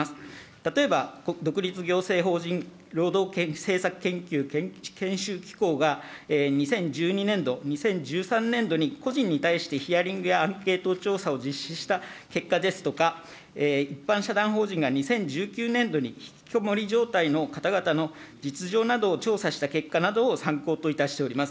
例えば独立行政法人労働政策研究研修機構が、２０１２年度、２０１３年度に、個人に対してヒアリングやアンケート調査を実施した結果ですとか、一般社団法人が２０１９年度にひきこもり状態の方々の実情などを調査した結果などを参考といたしております。